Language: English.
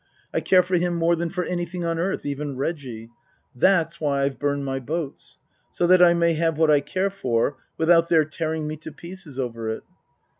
I care for him more than for anything on earth, even Reggie. That's why I've burned my boats. So that I may have what I care for without their tearing me to pieces over it."